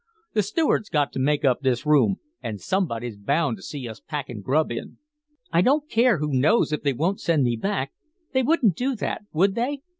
The steward's got to make up this room, and somebody's bound to see us packin' grub in." "I don't care who knows if they won't send me back. They wouldn't do that, would they?"